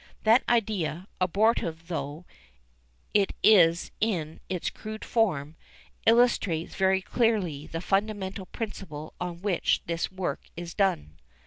That idea, abortive though it is in its crude form, illustrates very clearly the fundamental principle on which this work is done.